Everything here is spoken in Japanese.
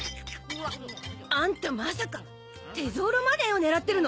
あんたまさかテゾーロ・マネーを狙ってるの！？